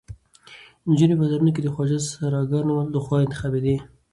نجونې په بازارونو کې د خواجه سراګانو لخوا انتخابېدې.